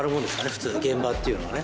普通現場っていうのはね。